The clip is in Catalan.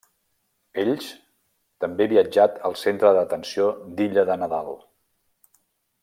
Ells també viatjat al Centre de Detenció d'Illa de Nadal.